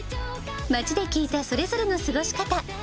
街で聞いたそれぞれの過ごし方。